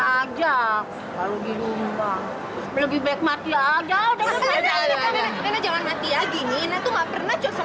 aja lebih baik mati aja jangan mati aja gini enak tuh nggak pernah